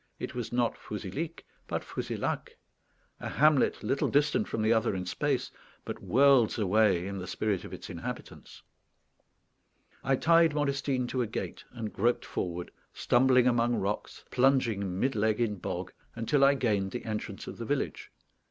It was not Fouzilhic, but Fouzilhac, a hamlet little distant from the other in space, but worlds away in the spirit of its inhabitants. I tied Modestine to a gate, and groped forward, stumbling among rocks, plunging mid leg in bog, until I gained the entrance of the village.